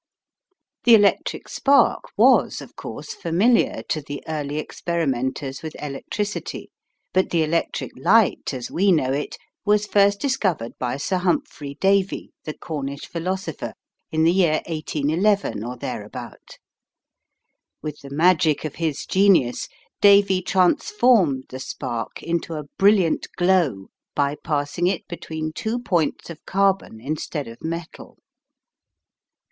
The electric spark was, of course, familiar to the early experimenters with electricity, but the electric light, as we know it, was first discovered by Sir Humphrey Davy, the Cornish philosopher, in the year 1811 or thereabout. With the magic of his genius Davy transformed the spark into a brilliant glow by passing it between two points of carbon instead of metal.